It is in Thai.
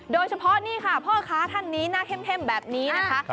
โดยเฉพาะนี่ค่ะพ่อค้าท่านนี้หน้าเข้มแบบนี้นะคะ